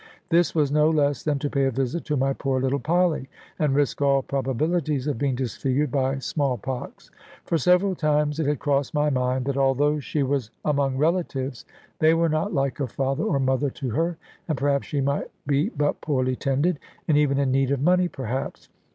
This was no less than to pay a visit to my poor little Polly, and risk all probabilities of being disfigured by small pox. For several times it had crossed my mind, that although she was among relatives, they were not like a father or mother to her, and perhaps she might be but poorly tended, and even in need of money perhaps.